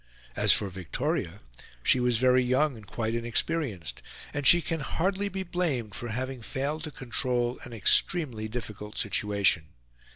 As for Victoria, she was very young and quite inexperienced; and she can hardly be blamed for having failed to control an extremely difficult situation.